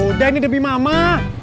udah ini demi mama